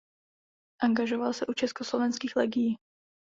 Angažoval se u Československých legií.